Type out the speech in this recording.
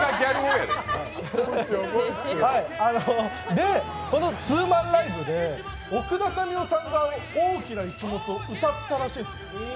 で、このツーマンライブで奥田民生さんが「大きなイチモツ」を歌ったらしいんですよ。